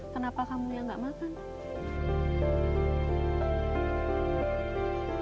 kenapa kamu yang nggak makan